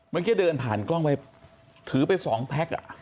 เมื่อกี้เดินผ่านกล้องไปถือไปสองแพ็ก